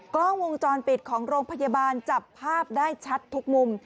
กล้องวงจรปิดของโรงพยาบาลจับภาพได้ชัดทุกมุม